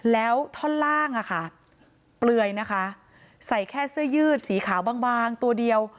แล้วท่อนล่างอะค่ะเปลือยนะคะใส่แค่เสื้อยืดสีขาวบางบางตัวเดียว